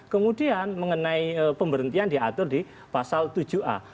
kemudian mengenai pemberhentian diatur di pasal tujuh a